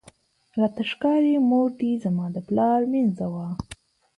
راته ښکاری مور دي مینځه زما د پلار وه